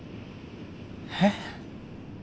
えっ？